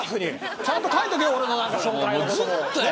ちゃんと書いとけよ俺の紹介を。